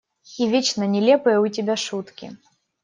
И вечно нелепые у тебя шутки…